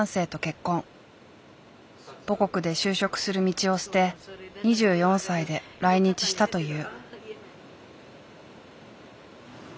母国で就職する道を捨て２４歳で来日したという。